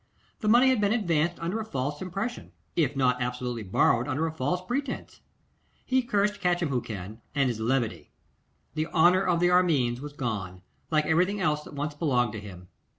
The money had been advanced under a false impression, if not absolutely borrowed under a false pretence. He cursed Catchimwhocan and his levity. The honour of the Armines was gone, like everything else that once belonged to them.